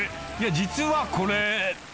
実はこれ。